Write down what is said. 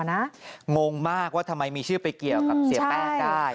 งงมากว่าทำไมมีชื่อไปเกี่ยวกับเสียแป้งได้